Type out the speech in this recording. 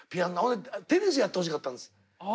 テニスやってほしかったんです。